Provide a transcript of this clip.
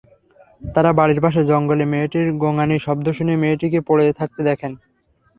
তাঁরা বাড়ির পাশে জঙ্গলে মেয়েটির গোঙানির শব্দ শুনে মেয়েটিকে পড়ে থাকতে দেখেন।